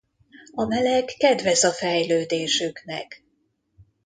A meleg kedvez a fejlődésüknek.